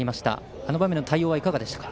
あの場面の対応はいかがでしたか。